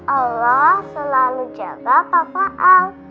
allah selalu jaga papa al